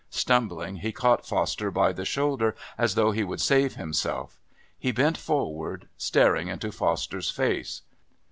Stumbling, he caught Foster by the shoulder as though he would save himself. He bent forward, staring into Foster's face.